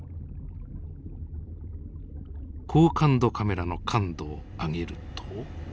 高感度カメラの感度を上げると。